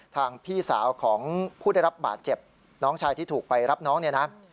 พี่สาวของผู้ได้รับบาดเจ็บน้องชายที่ถูกไปรับน้องเนี่ยนะ